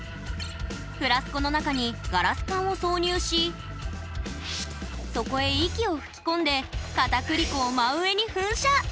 フラスコの中にガラス管を挿入しそこへ息を吹き込んで片栗粉を真上に噴射。